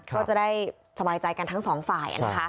ก็จะได้สบายใจกันทั้งสองฝ่ายนะคะ